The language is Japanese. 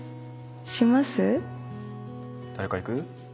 誰かいく？